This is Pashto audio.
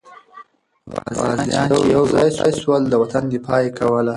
غازیان چې یو ځای سول، د وطن دفاع یې کوله.